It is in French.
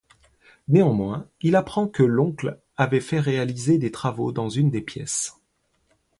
Néanmoins, il apprend que l'oncle avait fait réaliser des travaux dans une des pièces.